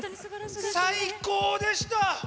最高でした！